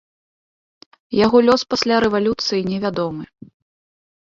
Яго лёс пасля рэвалюцыі невядомы.